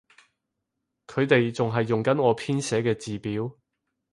佢哋仲係用緊我編寫嘅字表